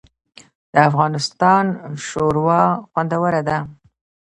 د افغانستان شوروا خوندوره ده